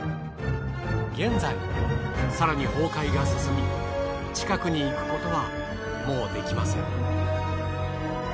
現在更に崩壊が進み近くに行くことはもうできません。